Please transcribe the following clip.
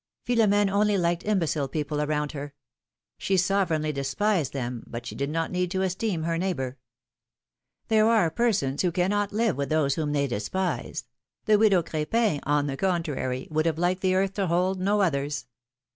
Philom^ne only liked imbecile people around her ; she sovereignly despised them, but she did not need to esteem her neighbor. There are persons who cannot live with those whom they despise ; the widow Cr^pin, on the contrary, would have liked the earth to hold no others.